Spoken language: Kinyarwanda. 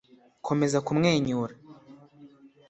komeza kumwenyura!